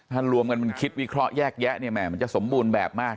ถ้ารวมกันมันคิดวิเคราะห์แยกแยะเนี่ยแห่มันจะสมบูรณ์แบบมาก